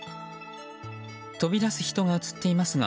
飛び出す人が映っていますが